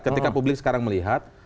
ketika publik sekarang melihat